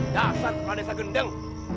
dasar panesa gendeng